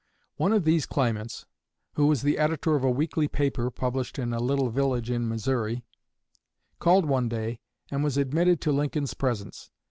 One of these claimants, who was the editor of a weekly paper published in a little village in Missouri, called one day, and was admitted to Lincoln's presence.